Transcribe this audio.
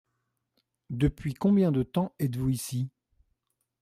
Depuis combien de temps êtes-vous ici ?